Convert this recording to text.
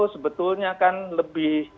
sebetulnya kan lebih